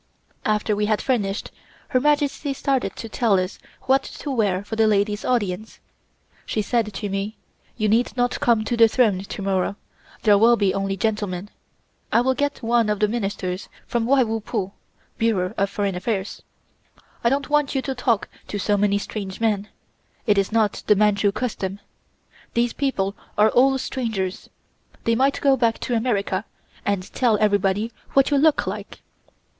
After we had finished, Her Majesty started to tell us what to wear for the ladies' audience. She said to me: "You need not come to the throne to morrow, there will only be gentlemen. I will get one of the Ministers from Wai Wu Pu (Bureau of Foreign Affairs). I don't want you to talk to so many strange men. It is not the Manchu custom. These people are all strangers. They might go back to America and tell everybody what you look like."